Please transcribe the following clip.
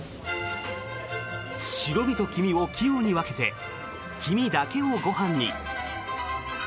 白身と黄身を器用に分けて黄身だけをご飯に。